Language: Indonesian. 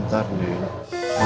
terima kasih bu